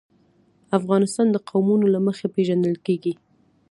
افغانستان د قومونه له مخې پېژندل کېږي.